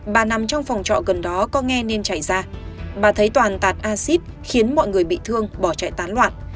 bà nằm trong phòng trọ gần đó có nghe nên chảy ra bà thấy toàn tạt acid khiến mọi người bị thương bỏ chạy tán loạn